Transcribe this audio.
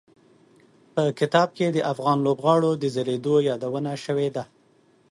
په کتاب کې د افغان لوبغاړو د ځلېدو یادونه شوي ده.